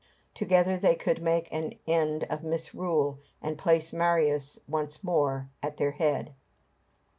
Together they could make an end of misrule, and place Marius once more at their head.